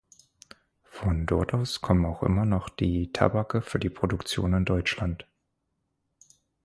Von dort aus kommen auch immer noch die Tabake für die Produktion in Deutschland.